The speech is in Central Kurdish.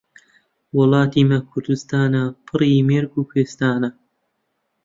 وڵاتی مە کوردستانە، پڕی مێرگ و کوێستانە.